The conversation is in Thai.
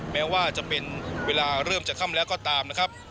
แม้ว่าจะเป็นเวลาเริ่มจะค่ำแล้วก็ตามนะครับ